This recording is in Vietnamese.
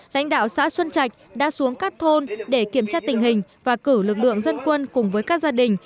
lãnh đạo xã xuân trạch đã xuống các thôn để kiểm tra tình hình và cử lực lượng dân quân cùng với các gia đình